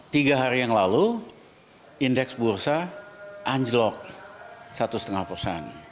tiga hari yang lalu indeks bursa anjlok satu lima persen